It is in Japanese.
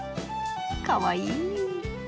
かわいい。